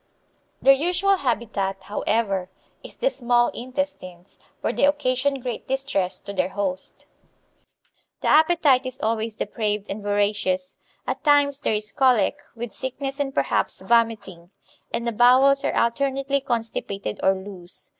Their usual habitat, however, is the small intestines, where they occasion great distress to their host. The appetite is always depraved and voracious. At times there is colic, with sickness and perhaps vomiting, and the bowels are alternately constipated or loose.